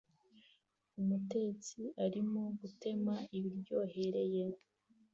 Umutetsi arimo gutema ibiryohereye